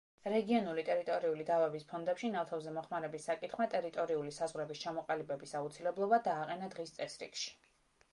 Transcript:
რეგიონული ტერიტორიული დავების ფონდებში ნავთობზე მოხმარების საკითხმა ტერიტორიული საზღვრების ჩამოყალიბების აუცილებლობა დააყენა დღის წესრიგში.